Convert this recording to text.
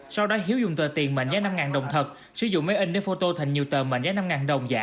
sau đó hiếu dùng tờ tiền mệnh giá năm đồng thật sử dụng máy in để phô tô thành nhiều tờ mệnh giá năm đồng giả